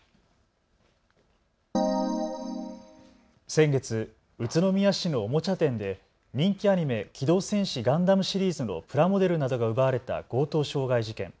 先月、宇都宮市のおもちゃ店で人気アニメ、機動戦士ガンダムシリーズのプラモデルなどが奪われた強盗傷害事件。